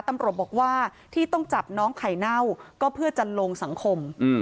ตำรวจบอกว่าที่ต้องจับน้องไข่เน่าก็เพื่อจะลงสังคม